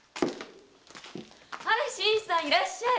あら新さんいらっしゃい！